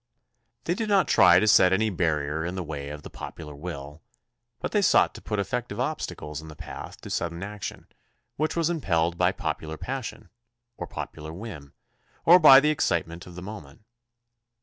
They did not try to set any barrier in the way of the popular will, but they sought to put effective obstacles in the path to sudden action which was impelled by popular passion, or popular whim, or by the excitement of the moment.